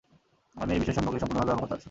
আমি এই বিষয় সম্পর্কে সম্পূর্ণভাবে অবগত আছি।